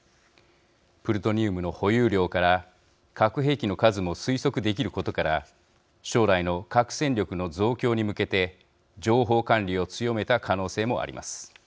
プルトニウムの保有量から核兵器の数も推測できることから将来の核戦力の増強に向けて情報管理を強めた可能性もあります。